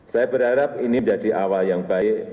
saya berharap ini menjadi awal yang baik